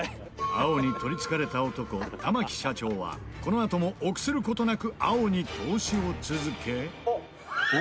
青に取りつかれた男玉木社長はこのあとも臆する事なく青に投資を続け。